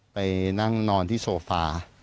ไปนั่งนอนที่โซฟา